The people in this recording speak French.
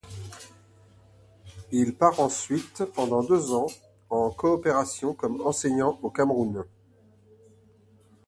Il part ensuite pendant deux ans en coopération comme enseignant au Cameroun.